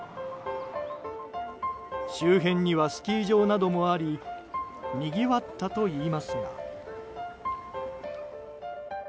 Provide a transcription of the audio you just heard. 周辺にはスキー場などもありにぎわったといいますが。